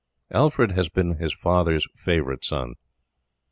Alfred had been his father's favourite son.